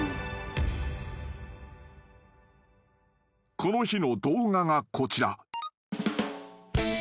［この日の動画がこちら］